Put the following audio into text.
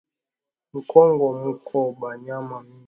Mu kongo muko ba nyama ba mingi